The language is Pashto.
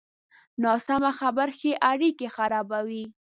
ناسمه خبره ښې اړیکې خرابوي.